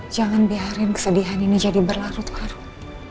jangan biarin kesedihan ini jadi berlarut larut